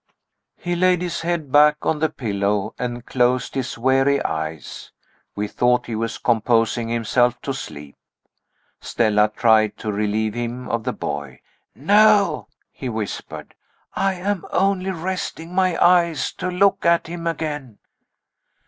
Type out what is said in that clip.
He laid his head back on the pillow and closed his weary eyes. We thought he was composing himself to sleep. Stella tried to relieve him of the boy. "No," he whispered; "I am only resting my eyes to look at him again."